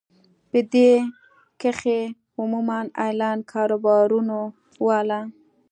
پۀ دې کښې عموماً انلائن کاروبارونو واله ،